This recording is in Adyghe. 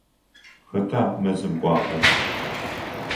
Хэта мэзым кӏуагъэр?